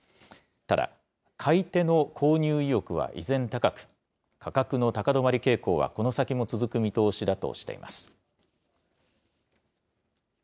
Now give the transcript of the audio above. ただ、買い手の購入意欲は依然高く、価格の高止まり傾向は、この先も続く見通しだとしています。